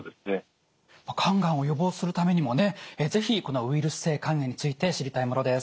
肝がんを予防するためにもね是非このウイルス性肝炎について知りたいものです。